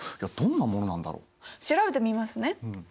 調べてみますね。